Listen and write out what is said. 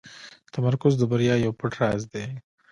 تمرکز د بریا یو پټ راز دی.